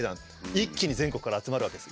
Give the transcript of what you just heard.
一気に全国から集まるわけです。